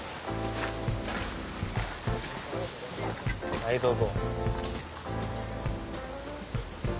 はいどうぞ。